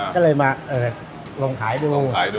ก็เลยมาลงขายดู